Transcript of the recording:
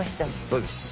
そうです。